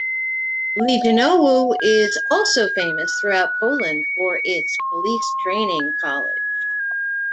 Legionowo is also famous throughout Poland for its police training college.